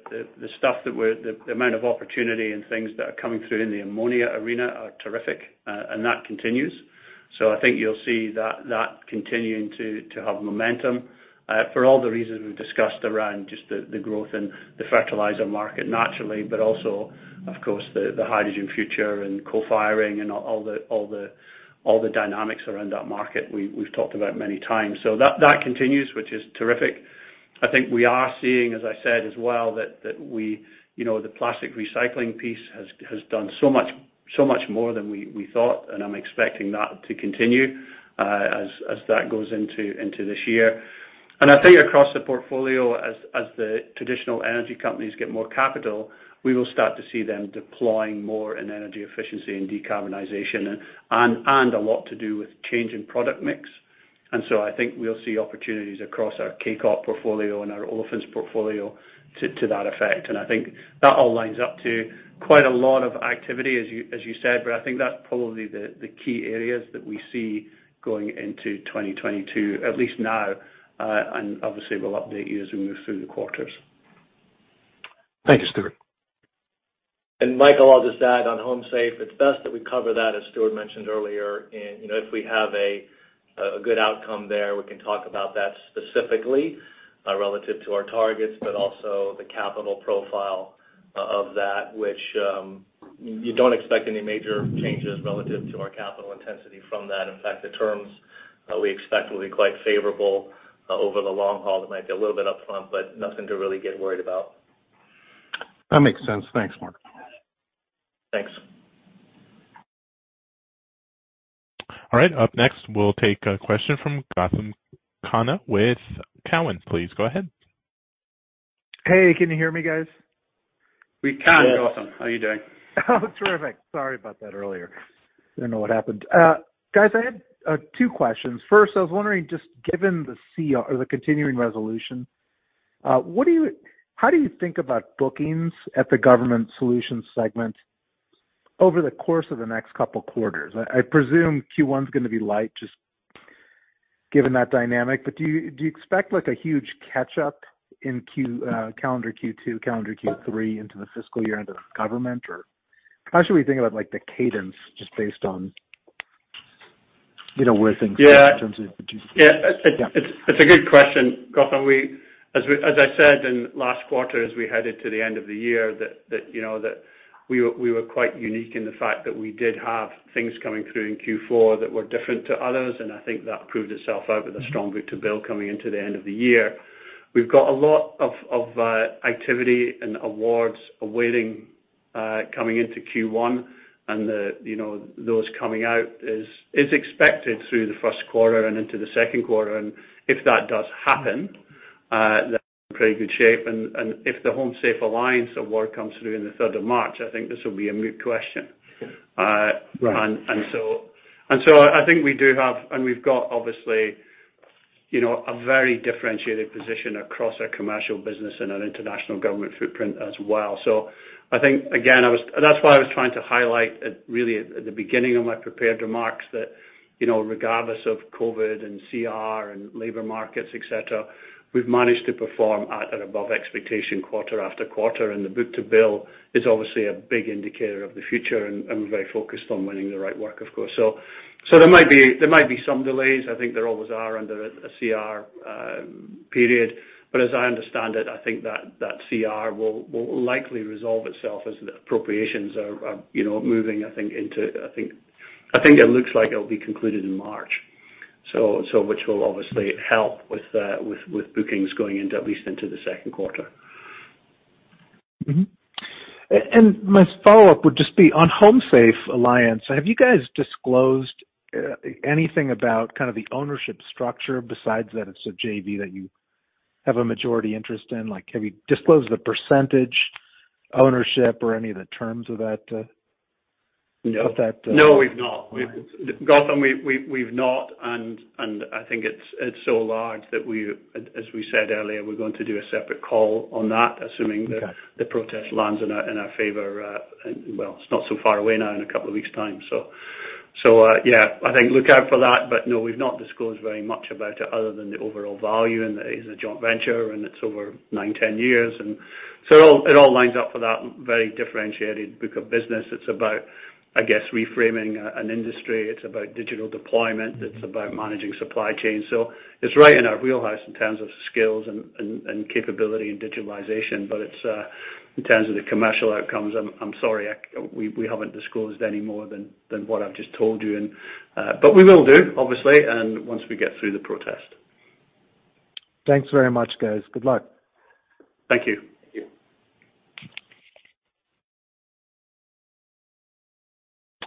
amount of opportunity and things that are coming through in the ammonia arena are terrific, and that continues. I think you'll see that continuing to have momentum for all the reasons we've discussed around just the growth in the fertilizer market naturally, but also of course the hydrogen future and co-firing and all the dynamics around that market, we've talked about many times. That continues, which is terrific. I think we are seeing, as I said as well, that we you know, the plastic recycling piece has done so much more than we thought, and I'm expecting that to continue as that goes into this year. I think across the portfolio as the traditional energy companies get more capital, we will start to see them deploying more in energy efficiency and decarbonization and a lot to do with change in product mix. I think we'll see opportunities across our K-COT portfolio and our olefins portfolio to that effect. I think that all lines up to quite a lot of activity as you said, but I think that's probably the key areas that we see going into 2022, at least now. Obviously we'll update you as we move through the quarters. Thank you, Stuart. Michael, I'll just add on HomeSafe, it's best that we cover that, as Stuart mentioned earlier, in, you know, if we have a good outcome there, we can talk about that specifically, relative to our targets, but also the capital profile of that which you don't expect any major changes relative to our capital intensity from that. In fact, the terms we expect will be quite favorable over the long haul. It might be a little bit upfront, but nothing to really get worried about. That makes sense. Thanks, Mark. Thanks. All right. Up next, we'll take a question from Gautam Khanna with Cowen. Please go ahead. Hey, can you hear me guys? We can, Gautam. How are you doing? Oh, terrific. Sorry about that earlier. Don't know what happened. Guys, I had two questions. First, I was wondering just given the CR or the continuing resolution, how do you think about bookings at the Government Solutions segment over the course of the next couple quarters? I presume Q1 is gonna be light just given that dynamic. But do you expect like a huge catch up in calendar Q2, calendar Q3 into the fiscal year into the government? Or how should we think about like the cadence just based on, you know, where things- Yeah. In terms of. Yeah. Yeah. It's a good question, Gautam. As I said in last quarter as we headed to the end of the year that you know that we were quite unique in the fact that we did have things coming through in Q4 that were different to others, and I think that proved itself out with a strong book-to-bill coming into the end of the year. We've got a lot of activity and awards awaiting coming into Q1. You know, those coming out is expected through the first quarter and into the second quarter. If that does happen, then pretty good shape. If the HomeSafe Alliance award comes through in the third of March, I think this will be a moot question. Right. I think we do have and we've got obviously you know, a very differentiated position across our commercial business and our international government footprint as well. I think again, that's why I was trying to highlight really at the beginning of my prepared remarks that, you know, regardless of COVID and CR and labor markets, et cetera, we've managed to perform at an above expectation quarter after quarter. The book-to-bill is obviously a big indicator of the future, and we're very focused on winning the right work, of course. There might be some delays. I think there always are under a CR period. As I understand it, I think that CR will likely resolve itself as the appropriations are, you know, moving. I think it looks like it will be concluded in March, so which will obviously help with bookings going into at least the second quarter. Mm-hmm. My follow-up would just be on HomeSafe Alliance. Have you guys disclosed anything about kind of the ownership structure besides that it's a JV that you have a majority interest in? Like, have you disclosed the percentage ownership or any of the terms of that? No, we've not. Gautam, we've not. I think it's so large that we, as we said earlier, we're going to do a separate call on that, assuming that. Okay. The protest lands in our favor. Well, it's not so far away now in a couple of weeks time. Yeah, I think look out for that. No, we've not disclosed very much about it other than the overall value. It is a joint venture, and it's over 9-10 years. It all lines up for that very differentiated book of business. It's about, I guess, reframing an industry. It's about digital deployment. It's about managing supply chain. It's right in our wheelhouse in terms of skills and capability and digitalization. In terms of the commercial outcomes, I'm sorry, we haven't disclosed any more than what I've just told you. We will do, obviously, once we get through the protest. Thanks very much, guys. Good luck. Thank you.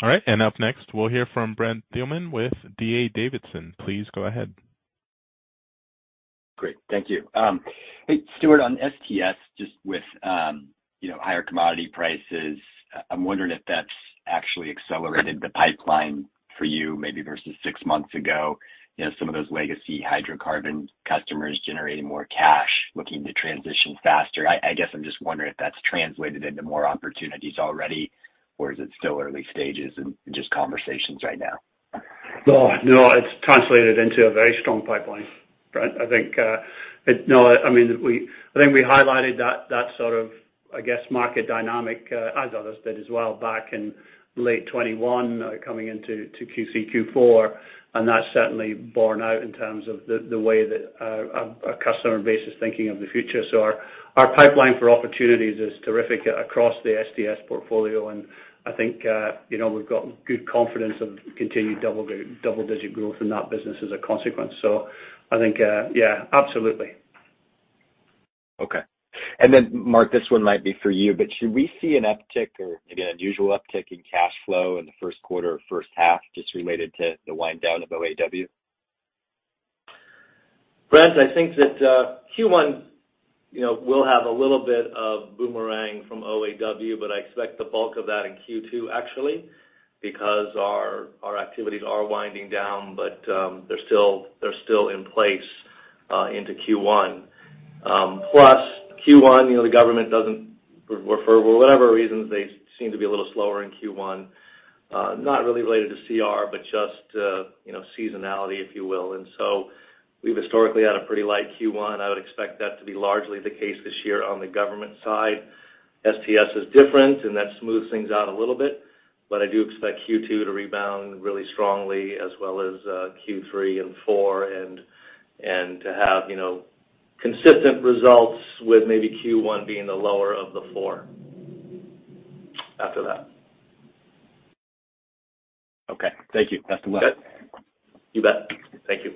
All right. Up next, we'll hear from Brent Thielman with D.A. Davidson. Please go ahead. Great. Thank you. Hey, Stuart, on STS, just with you know, higher commodity prices, I'm wondering if that's actually accelerated the pipeline for you maybe versus six months ago. You know, some of those legacy hydrocarbon customers generating more cash, looking to transition faster. I guess I'm just wondering if that's translated into more opportunities already, or is it still early stages and just conversations right now? No, no, it's translated into a very strong pipeline, Brent. I think, no, I mean, I think we highlighted that that sort of, I guess, market dynamic, as others did as well back in late 2021, coming into Q3, Q4. That's certainly borne out in terms of the way that a customer base is thinking of the future. Our pipeline for opportunities is terrific across the STS portfolio. I think, you know, we've got good confidence of continued double-digit growth in that business as a consequence. I think, yeah, absolutely. Okay. Mark, this one might be for you, but should we see an uptick or maybe an unusual uptick in cash flow in the first quarter or first half just related to the wind down of OAW? Brent, I think that Q1, you know, will have a little bit of boomerang from OAW, but I expect the bulk of that in Q2, actually, because our activities are winding down, but they're still in place into Q1. Plus Q1, you know, the government doesn't work for whatever reasons. They seem to be a little slower in Q1, not really related to CR, but just you know, seasonality, if you will. We've historically had a pretty light Q1. I would expect that to be largely the case this year on the government side. STS is different and that smooths things out a little bit, but I do expect Q2 to rebound really strongly as well as Q3 and four, and to have you know consistent results with maybe Q1 being the lower of the four after that. Okay, thank you. Best of luck. You bet. Thank you.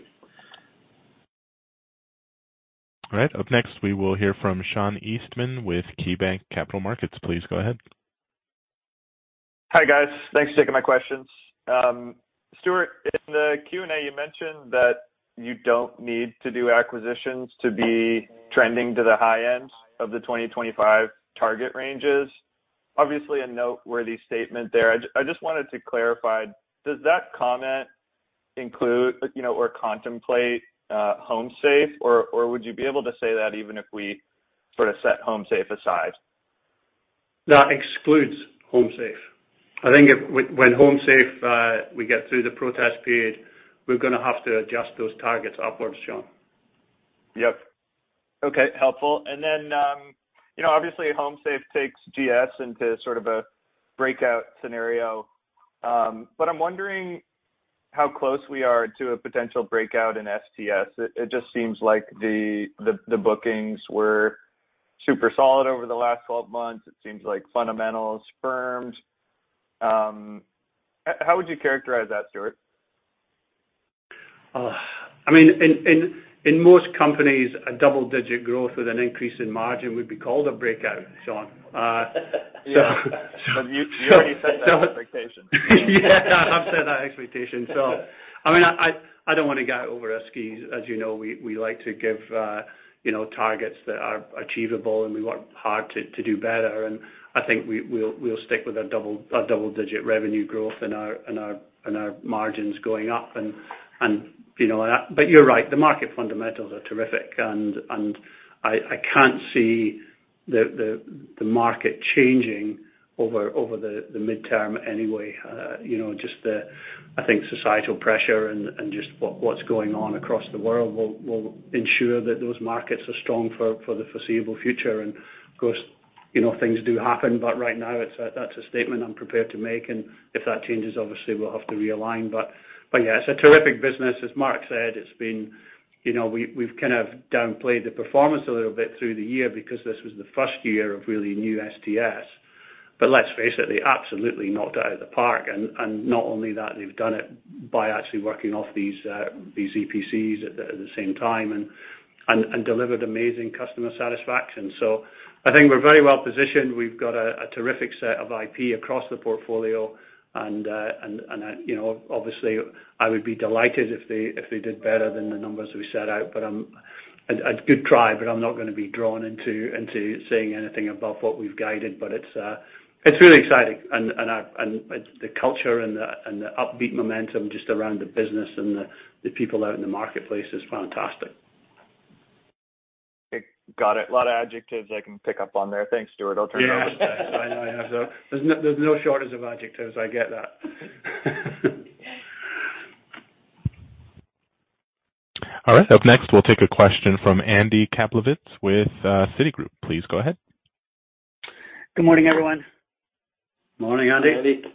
All right. Up next, we will hear from Sean Eastman with KeyBanc Capital Markets. Please go ahead. Hi, guys. Thanks for taking my questions. Stuart, in the Q&A, you mentioned that you don't need to do acquisitions to be trending to the high end of the 2025 target ranges. Obviously, a noteworthy statement there. I just wanted to clarify, does that comment include, you know, or contemplate, HomeSafe, or would you be able to say that even if we sort of set HomeSafe aside? That excludes HomeSafe. I think when HomeSafe, we get through the protest period, we're gonna have to adjust those targets upwards, Sean. Yep. Okay. Helpful. You know, obviously HomeSafe takes GS into sort of a breakout scenario. I'm wondering how close we are to a potential breakout in STS. It just seems like the bookings were super solid over the last 12 months. It seems like fundamentals firmed. How would you characterize that, Stuart? I mean, in most companies, a double-digit growth with an increase in margin would be called a breakout, Sean. Yeah. You already set that expectation. Yeah, I've set that expectation. I mean, I don't wanna get over our skis. As you know, we like to give, you know, targets that are achievable, and we work hard to do better. I think we'll stick with a double-digit revenue growth and our margins going up. You know, but you're right, the market fundamentals are terrific. I can't see the market changing over the midterm anyway, you know, just, I think, societal pressure and just what's going on across the world will ensure that those markets are strong for the foreseeable future. Of course, you know, things do happen, but right now it's that that's a statement I'm prepared to make. If that changes, obviously we'll have to realign. Yeah, it's a terrific business. As Mark said, it's been. You know, we've kind of downplayed the performance a little bit through the year because this was the first year of really new STS. Let's face it, they absolutely knocked it out of the park. Not only that, they've done it by actually working off these EPCs at the same time and delivered amazing customer satisfaction. I think we're very well-positioned. We've got a terrific set of IP across the portfolio and, you know, obviously I would be delighted if they did better than the numbers we set out. A good try, but I'm not gonna be drawn into saying anything above what we've guided. It's really exciting and the culture and the upbeat momentum just around the business and the people out in the marketplace is fantastic. Got it. A lot of adjectives I can pick up on there. Thanks, Stuart. I'll turn it over. Yeah. I know. There's no shortage of adjectives, I get that. All right. Up next, we'll take a question from Andy Kaplowitz with Citigroup. Please go ahead. Good morning, everyone. Morning, Andy. Morning, Andy.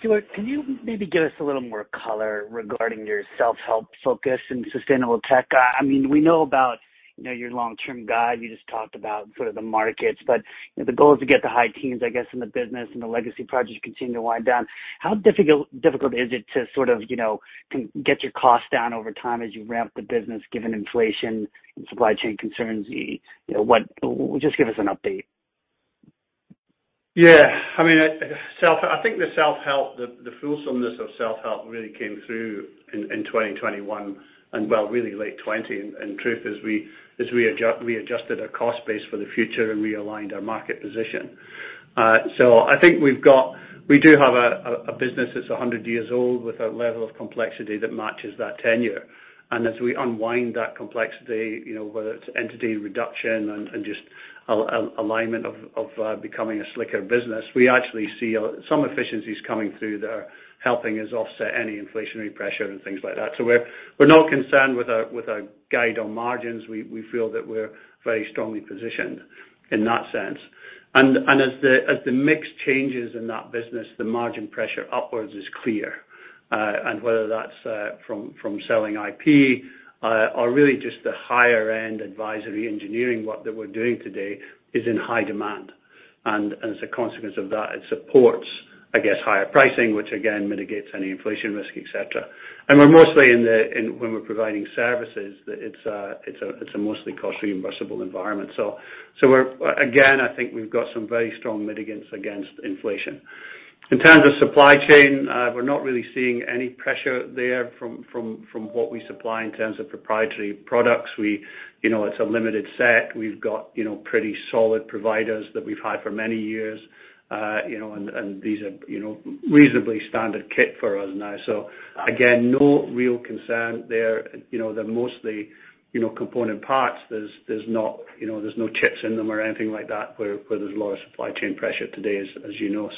Stuart, can you maybe give us a little more color regarding your self-help focus in sustainable tech? I mean, we know about, you know, your long-term guide. You just talked about sort of the markets. But, you know, the goal is to get the high teens, I guess, in the business and the legacy projects continue to wind down. How difficult is it to sort of, you know, get your costs down over time as you ramp the business, given inflation and supply chain concerns? You know, just give us an update. Yeah. I mean, I think the self-help, the fulsomeness of self-help really came through in 2021 and, well, really late 2020. Truth is we readjusted our cost base for the future and realigned our market position. I think we do have a business that's 100 years old with a level of complexity that matches that tenure. As we unwind that complexity, you know, whether it's entity reduction and just alignment of becoming a slicker business, we actually see some efficiencies coming through that are helping us offset any inflationary pressure and things like that. We're not concerned with our guide on margins. We feel that we're very strongly positioned in that sense. As the mix changes in that business, the margin pressure upwards is clear. Whether that's from selling IP or really just the higher end advisory engineering work that we're doing today is in high demand. As a consequence of that, it supports, I guess, higher pricing, which again mitigates any inflation risk, et cetera. We're mostly in a cost reimbursable environment when we're providing services. I think we've got some very strong mitigants against inflation. In terms of supply chain, we're not really seeing any pressure there from what we supply in terms of proprietary products. You know, it's a limited set. We've got, you know, pretty solid providers that we've had for many years, you know, and these are, you know, reasonably standard kit for us now. Again, no real concern there. You know, they're mostly, you know, component parts. There's no chips in them or anything like that where there's a lot of supply chain pressure today, as you know.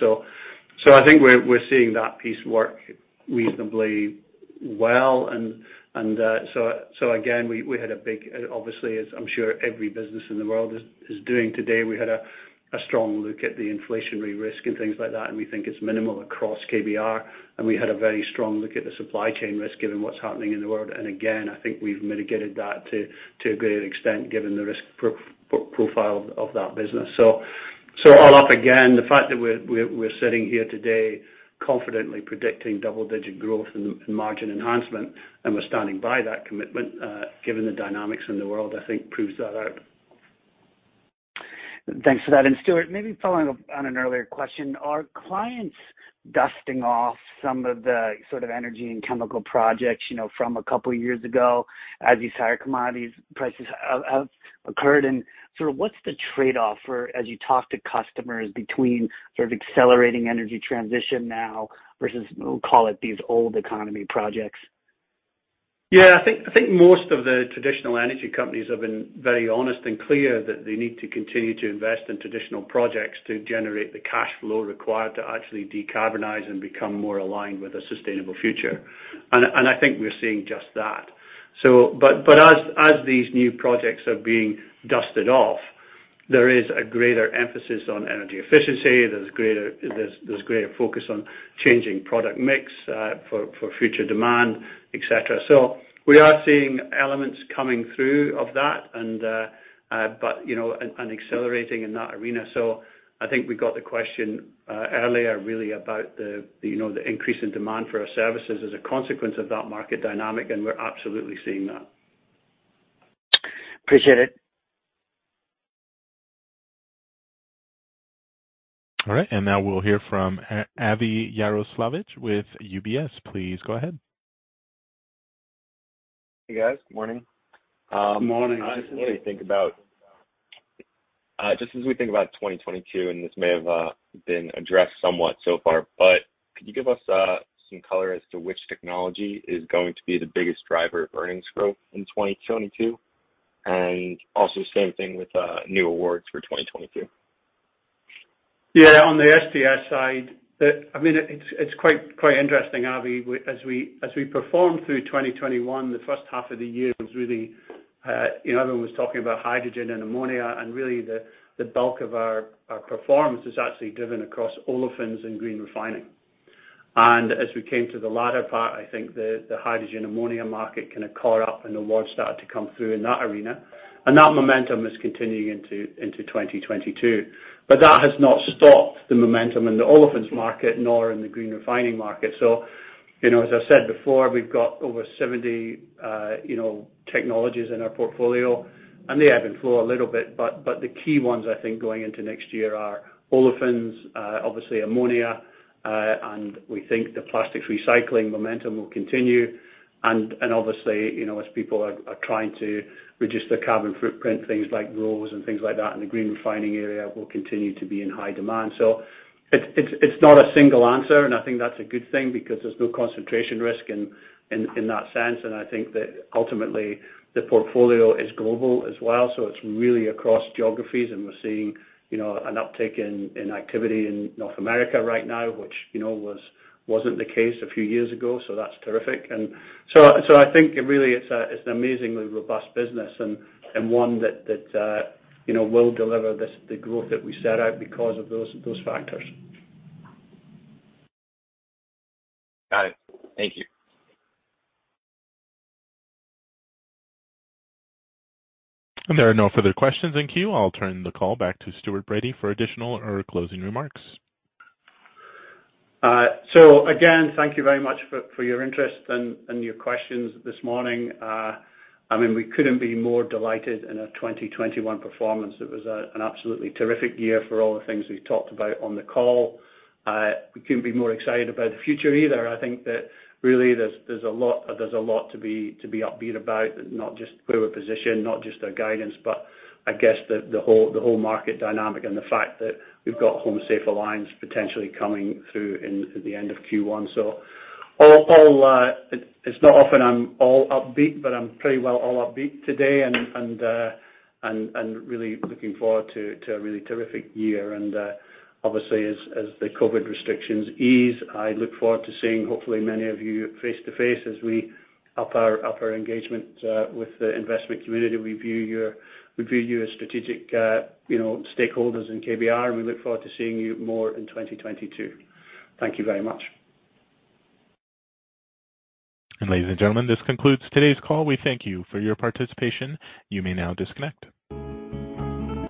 I think we're seeing that piece work reasonably well. Again, we had a strong look at the inflationary risk and things like that, and we think it's minimal across KBR. We had a very strong look at the supply chain risk given what's happening in the world. Again, I think we've mitigated that to a great extent given the risk profile of that business. So all up again, the fact that we're sitting here today confidently predicting double-digit growth and margin enhancement, and we're standing by that commitment, given the dynamics in the world, I think proves that out. Thanks for that. Stuart, maybe following up on an earlier question, are clients dusting off some of the sort of energy and chemical projects, you know, from a couple years ago as these higher commodities prices have occurred? Sort of what's the trade-off for as you talk to customers between sort of accelerating energy transition now versus, we'll call it these old economy projects? Yeah. I think most of the traditional energy companies have been very honest and clear that they need to continue to invest in traditional projects to generate the cash flow required to actually decarbonize and become more aligned with a sustainable future. I think we're seeing just that. But as these new projects are being dusted off, there is a greater emphasis on energy efficiency. There's greater focus on changing product mix for future demand, et cetera. We are seeing elements coming through of that, but you know, accelerating in that arena. I think we got the question earlier really about the increase in demand for our services as a consequence of that market dynamic, and we're absolutely seeing that. Appreciate it. All right. Now we'll hear from Steven Fisher with UBS. Please go ahead. Hey, guys. Morning. Morning. Just as we think about 2022, and this may have been addressed somewhat so far, but Could you give us some color as to which technology is going to be the biggest driver of earnings growth in 2022? Also same thing with new awards for 2022? Yeah. On the STS side, I mean, it's quite interesting, Steven. As we perform through 2021, the first half of the year was really, you know, everyone was talking about hydrogen and ammonia and really the bulk of our performance is actually driven across olefins and green refining. As we came to the latter part, I think the hydrogen ammonia market kinda caught up and awards started to come through in that arena. That momentum is continuing into 2022. That has not stopped the momentum in the olefins market nor in the green refining market. You know, as I said before, we've got over 70 technologies in our portfolio, and they ebb and flow a little bit, but the key ones I think going into next year are olefins, obviously ammonia. We think the plastics recycling momentum will continue. Obviously, you know, as people are trying to reduce their carbon footprint, things like growers and things like that in the green refining area will continue to be in high demand. It's not a single answer, and I think that's a good thing because there's no concentration risk in that sense. I think that ultimately the portfolio is global as well, so it's really across geographies and we're seeing, you know, an uptick in activity in North America right now, which, you know, wasn't the case a few years ago, so that's terrific. I think it really is an amazingly robust business and one that, you know, will deliver the growth that we set out because of those factors. Got it. Thank you. There are no further questions in queue. I'll turn the call back to Stuart Bradie for additional or closing remarks. Again, thank you very much for your interest and your questions this morning. I mean, we couldn't be more delighted in our 2021 performance. It was an absolutely terrific year for all the things we've talked about on the call. We couldn't be more excited about the future either. I think that really there's a lot to be upbeat about, not just where we're positioned, not just our guidance, but I guess the whole market dynamic and the fact that we've got HomeSafe Alliance potentially coming through at the end of Q1. It's not often I'm all upbeat, but I'm pretty well all upbeat today and really looking forward to a really terrific year. Obviously, as the COVID restrictions ease, I look forward to seeing hopefully many of you face-to-face as we up our engagement with the investment community. We view you as strategic, you know, stakeholders in KBR. We look forward to seeing you more in 2022. Thank you very much. Ladies and gentlemen, this concludes today's call. We thank you for your participation. You may now disconnect.